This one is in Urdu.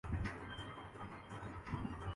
وہ اورکہانی ہے۔